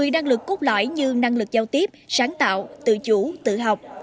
một mươi năng lực cốt lõi như năng lực giao tiếp sáng tạo tự chủ tự học